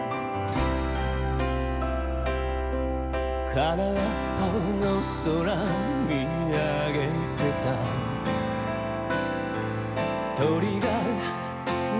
空っぽの空見上げてた鳥が啼き